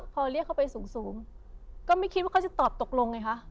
พอเรียกเขาไปสูงก็ไม่คิดว่าเขาจะตอบตกลงไงคะ